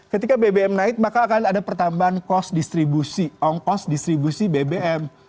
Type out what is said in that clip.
ketika bbm naik maka akan ada pertambahan kos distribusi ongkos distribusi bbm